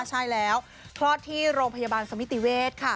ใช่แล้วคลอดที่โรงพยาบาลสมิติเวศค่ะ